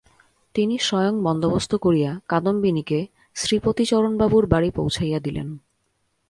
তিনি স্বয়ং বন্দোবস্ত করিয়া কাদম্বিনীকে শ্রীপতিচরণবাবুর বাড়ি পৌঁছাইয়া দিলেন।